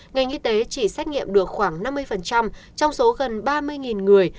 ngành y tế chỉ xét nghiệm được khoảng năm mươi trong số gần ba mươi người